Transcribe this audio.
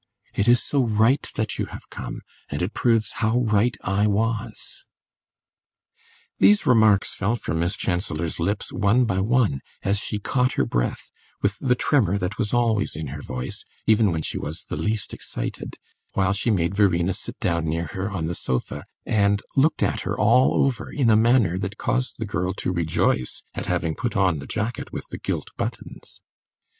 It is so right that you have come, and it proves how right I was." These remarks fell from Miss Chancellor's lips one by one, as she caught her breath, with the tremor that was always in her voice, even when she was the least excited, while she made Verena sit down near her on the sofa, and looked at her all over in a manner that caused the girl to rejoice at having put on the jacket with the gilt buttons.